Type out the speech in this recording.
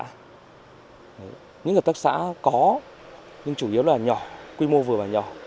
những doanh nghiệp hợp tác xã có nhưng chủ yếu là nhỏ quy mô vừa và nhỏ